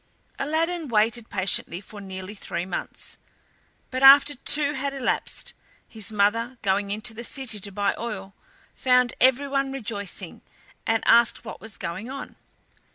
Aladdin waited patiently for nearly three months, but after two had elapsed, his mother, going into the city to buy oil, found everyone rejoicing, and asked what was going on.